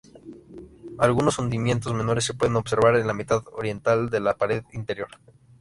Algunos hundimientos menores se pueden observar en la mitad oriental de la pared interior.